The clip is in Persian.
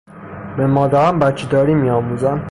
به مادران بچهداری میآموزند.